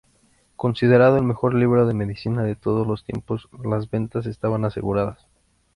Considerado el mejor libro de medicina de todos los tiempos, las ventas estaban aseguradas.